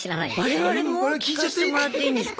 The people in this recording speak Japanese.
我々も聞かせてもらっていいんですか？